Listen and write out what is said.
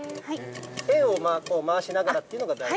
円を回しながらというのが大事？